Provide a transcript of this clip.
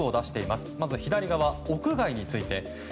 まず、屋外について。